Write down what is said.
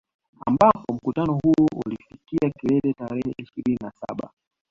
Ambapo mkutano huo ulifikia kilele tarehe ishirini na saba